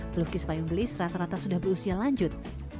pelukis payung gelis rata rata sudah berusia lanjut